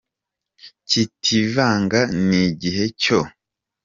kitivanga n'ighe cyo